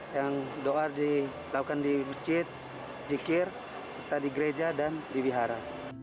yang doa dilakukan di masjid zikir kita di gereja dan di wihara